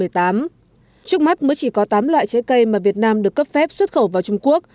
trước mắt mới chỉ có tám loại trái cây mà việt nam được cấp phép xuất khẩu vào trung quốc